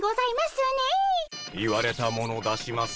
言われたもの出します。